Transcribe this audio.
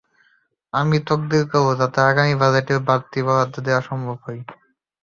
আমিও তদবির করব, যাতে আগামী বাজেটে বাড়তি বরাদ্দ দেওয়া সম্ভব হয়।